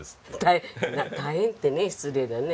た大変ってね失礼だね。